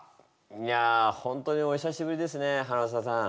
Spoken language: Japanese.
いや本当におひさしぶりですねさん。